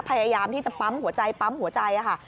พยายามที่จะปั๊มหัวใจปั๊มหัวใจค่ะ